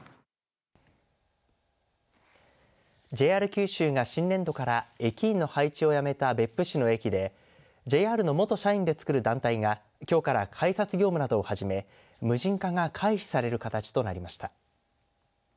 ＪＲ九州が新年度から駅員の配置をやめた別府市の駅でＪＲの元社員で作る団体がきょうから改札業務などを始め無人化が回避される形となりました。